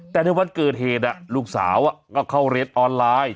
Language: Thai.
แต่ในวันเกิดเหตุลูกสาวก็เข้าเรียนออนไลน์